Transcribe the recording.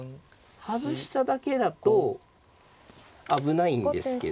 外しただけだと危ないんですけど。